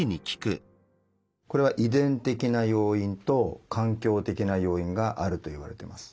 これは「遺伝的な要因」と「環境的な要因」があるといわれてます。